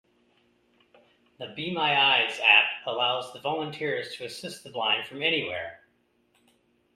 The be-my-eyes app allows the volunteers to assist the blind from anywhere.